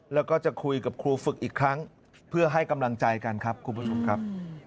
แล้วก็จะคุยกับครูฝึกอีกครั้งเพื่อให้กำลังใจกันครับ